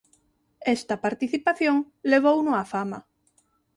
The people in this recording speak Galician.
Esta participación levouno á fama.